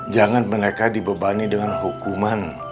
jangan mereka dibebani dengan hukuman